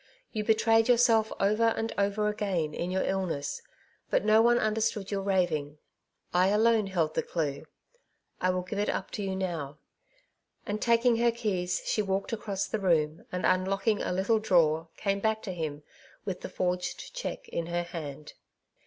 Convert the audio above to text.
You betrayed yourself over and over again in your illness, but no one understood your raving. I alone held the clue. I will give it up to you now ;" and taking her keys she walked across the room, and unlocking a little drawer, came back to him with the forged cheque in her hand.